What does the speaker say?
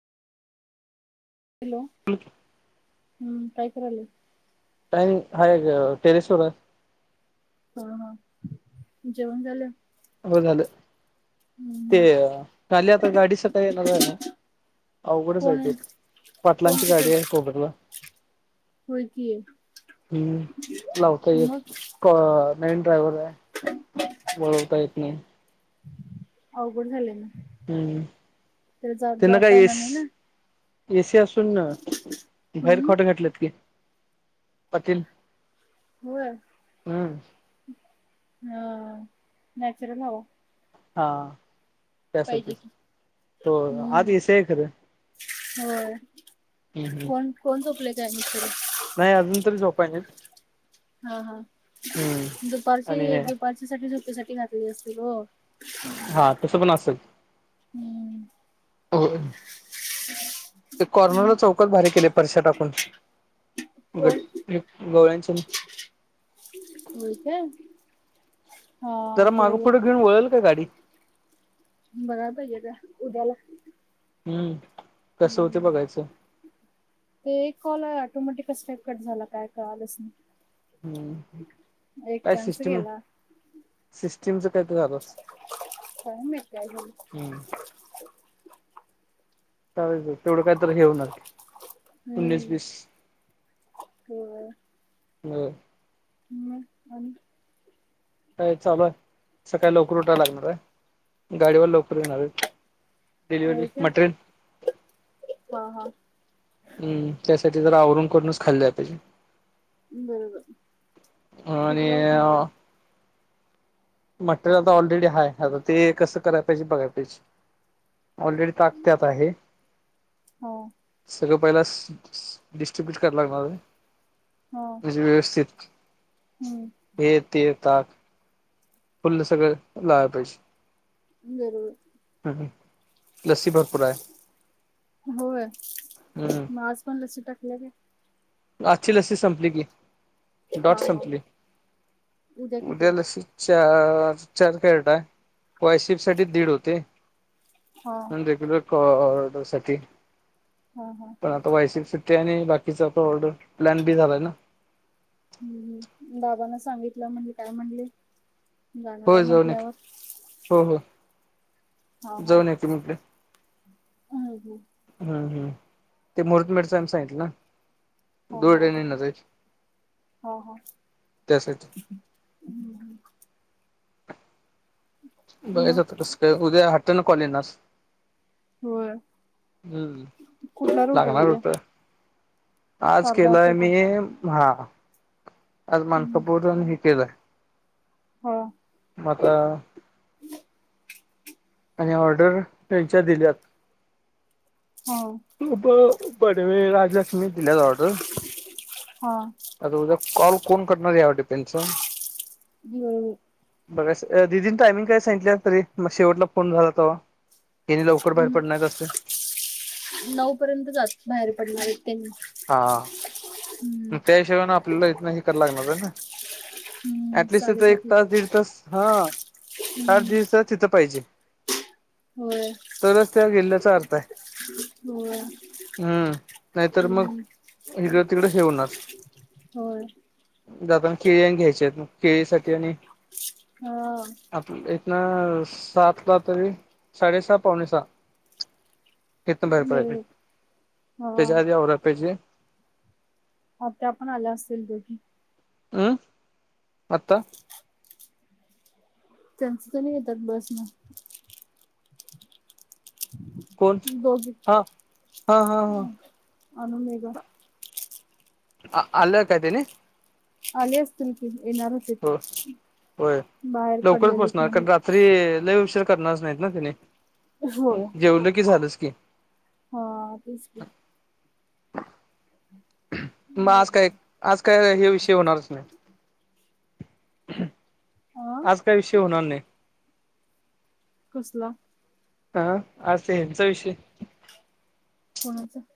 Hello. [inaudible] हम्म, काय कराले? काही नाही. हाय टेरेसवर हाय. ह ह. जेवण झालं? हो झालं. हम्म ते हम्म झाले आता गाडी सकाळी येणार हाय. अवघडच हाय कोण ते. आहे कोण पाटलाची तिथे गाडी हाय कोघरला. होय की आहे हम्म लावत एक. मग कॉ नवीन ड्रायवरे. वळवता येत नाही. अवघड झाले म. हम्म तेले जात त्यांना जाता काय येणार एस नाही ना. एसी असून ना. बाहेर हम्म खॉट घातलंत की, पाटिल होय? हा नॅचरल हवा. हा पाहिजे त्यासाठीच. की हो आत हम्म एसी हाय खरं. होय हम्म हम्म. कोण कोण झोपलेचय त्यानी शेजारी? नाही अजून तरी झोपाय नाही. हा हा. आणि दुपारचे दुपारच्या साठी झोपेसाठी घातली असतील हो. हा तस पण असेल. हम्म होय. ते कॉर्नरला मग चौकात भारी केले. फरशा टाकून. ग कोण ते गवळ्याचे. होय काय? हा बरोबर. पळल का गाडी? बघला पाहिजे का उद्याला. हम्म कसं होते हम्म बघायचं. ते एक कॉल ऑटोमॅटिक कस काय कट झाला. काय कळालंच नाही. हम्म हम्म. एक काय चान्स सिस्टीम. गेला सिस्टीमच काय तरी झालं असल. काय माहित काय झालं. हम्म. जाऊदे तेवढं काय तर हे होणार उनीस, बिस होय ह मग आणि? हाय चालू हाय सकाळी लवकर उठायला लागणार हाय गाडीवर लवकर येणार आहित डेलिवरी मटरेल ह, ह हम्म त्यासाठी जरा आवरून करूनच खाली जायला पाहिजे बरोबर ह आणि कितीला उठणार आहे मटेरियल आता ऑलरेडी हाय आता ते कसं कराय पाहिजे बघाय पाहिजे ऑलरेडी ताक त्यात आहे हो सगळं पहिला स, स डिस्ट्रीब्यूट कराय लागणार हाय हा म्हणजे व्यवस्थित हम्म हे ते ताक फुल सगळ लावाय पाहिजे बरोबर ह, ह लस्सी भरपूर हाय होय म हम्म आज पण लसी टाकल्या काय? आजची लसी संपली की हा डॉट हा संपली किती उद्या आहे लसी चा चार कॅरेट हाय वायसिप साठी दीड होते हा आन रेग्युलर क ऑर्डर साठी हा, हा पण आता वायसिप सुट्टी आहे आणि बाकीच आता ऑर्डर प्लन बी झालाय ना हम बाबाना सांगितलं म्हणजे काय म्हणले? जाणार आहे हो जाऊन एक म्हटल्यावर हो हो हा, हा जाऊन एक म्हटले हम, हम हम, हम ते मुहूर्तमेढ च हाय म्हणून सांगितल ना? दोरड्याने येणार आहेत ह, ह, त्यासाठी ह, ह बघाचं मग आता कस काय उद्या हट्टा न कॉल येणार होय हम्म कुठला रूट आहे लागणार उद्या हुत आज तार केलाय दाखवतो मी हा आज माणकापूर आणि हे केलंय ह म आता [inaudible] आणि ऑर्डर त्यांच्या दिल्यात हाव बडवे, राजलक्ष्मीच्या दिल्यात ऑर्डर हा आता उद्या कॉल कोण करणार या वर डिपेंडस आहे [unintelligible] बघायच दिदीनी टायमिंग काय सांगितल्या तरी मग शेवटला फोन झाला तवा? तेनी लवकर बाहेर पडणार आसं नऊ पर्यंत जात बाहेर पडणार आहेत तेनी हा हम्म त्या हिशोबान आपल्याला इथलं हे कार्य करावं लागणार ना. हम्म ऍटलिस्ट तीथं एक साडेसात तास, दीड तास, हा आठ हम्म दिवसाची त पाहिजे. होय तरच त्या केल्ल्याचा अर्थ ये. होय हम्म, नाहीतर मं हम्म इकडं- तिकडं ठेऊन होय जातण केळी घ्यायच्या आहेत, मग केळीसाठी आणि हं, आपनं इथंन सातला तरी, साडेसहा पावणे सा हितना बाहेर भडायचं, बरोबर हा त्याच्या आधी आवरला पाहिजे. आपल्या आपण आलो असंल दोघी अं, आत्ता त्यांच तेनीं येतात बस नं कोण दोघी, हा हा हा हा अनु-मेघा हा आल्या होत्या क नही? आले असतील की येणार होते, हो बाहेर पडलेलेत म्हणे तरी लैई उशिर करणार नाहीत ना त्यानी हो, हा तेच कि मं आज मग काय, आज काय हे विषय होणारच नाही. हा आज काय विषय होणार नाही. कसला? हा, अस यांचा विषय कोणाचा?